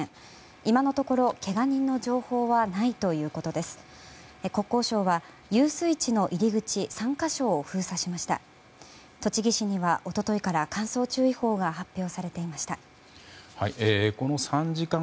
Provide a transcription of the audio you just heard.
今のところ、けが人の情報はないということです。